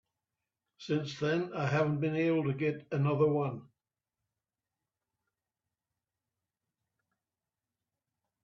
Since then I haven't been able to get another one.